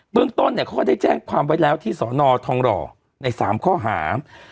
เบื้องต้นเขาก็ได้แจ้งความไว้แล้วที่สนทองรใน๓ข้อหา